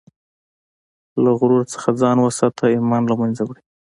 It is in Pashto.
له غرور نه ځان وساته، ایمان له منځه وړي.